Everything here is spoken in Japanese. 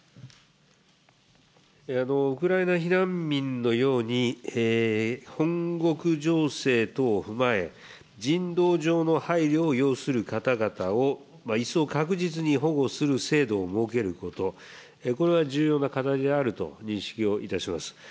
ウクライナ避難民のように、本国情勢等を踏まえ、人道上の配慮を要する方々を一層確実に保護する制度を設けること、これは重要な課題であると認識をいたします。